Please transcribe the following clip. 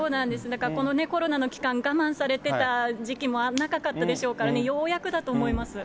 だからこのコロナの期間、我慢されてた時期も長かったでしょうからね、ようやくだと思います。